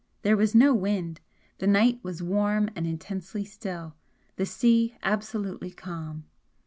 There was no wind, the night was warm and intensely still the sea absolutely calm.